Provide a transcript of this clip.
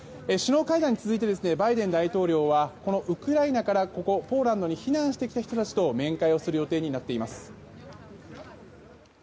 首脳会談に続いてバイデン大統領はこのウクライナからここポーランドに避難してきた人たちと面会をする予定になっています。